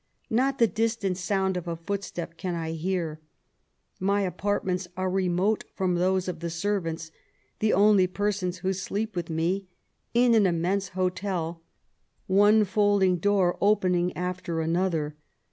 Not the distant sound of a footstep can I hear. My apartments are remote from those of the serranti, the only persons who sleep with me in an immense hotel, one foldiig door opening after another.